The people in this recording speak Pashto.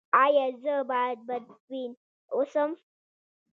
ایا زه باید بدبین اوسم؟